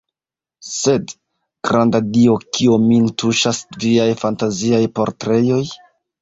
Sed, granda Dio, kio min tuŝas viaj fantaziaj portretoj?